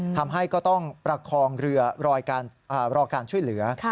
ทำให้ก็ต้องประคองเรือรอการช่วยเหลือ